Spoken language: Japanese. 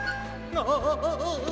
ああ！